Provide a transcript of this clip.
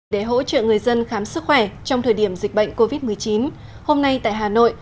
để hỗ trợ người dân khám sức khỏe trong thời điểm dịch bệnh covid một mươi chín hôm nay tại hà nội